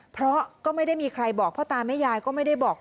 เพราะก็ไม่ได้มีใครบอกพ่อตาแม่ยายก็ไม่ได้บอก